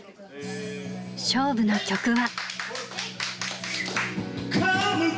勝負の曲は。